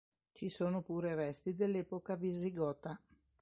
Ci sono pure resti dell'epoca visigota.